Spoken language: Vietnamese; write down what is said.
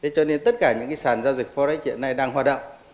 cho nên tất cả những cái sàn giao dịch forex hiện nay đang hoạt động